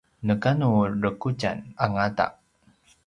nekanu rekutjan angata